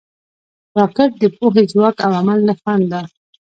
راکټ د پوهې، ځواک او عمل نښان دی